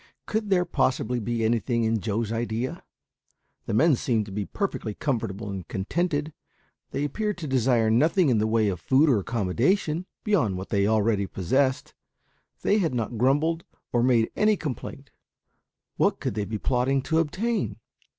Could there possibly be anything in Joe's idea? The men seemed to be perfectly comfortable and contented; they appeared to desire nothing in the way of food or accommodation, beyond what they already possessed; they had not grumbled or made any complaint; what could they be plotting to obtain?